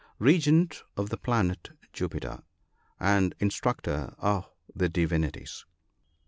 — Regent of the planet Jupiter, and In structor of the divinities.